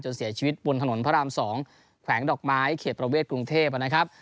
เสียชีวิตบนถนนพระราม๒แขวงดอกไม้เขตประเวทกรุงเทพนะครับ